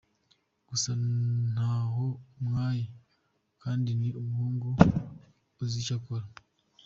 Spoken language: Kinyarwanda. Gusa ntaho amwaye kandi ni umuhungu uzi icyo akora.